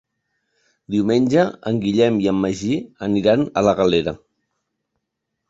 Diumenge en Guillem i en Magí aniran a la Galera.